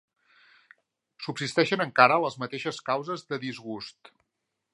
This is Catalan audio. Subsisteixen encara les mateixes causes de disgust.